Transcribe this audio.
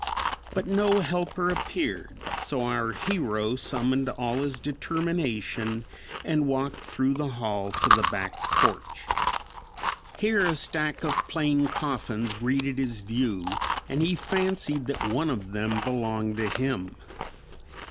But no helper appeared, so our hero summoned all his determination and walked through the hall to the back porch. Here a stack of plain coffins greeted his view; and he fancied that one of them belonged to him.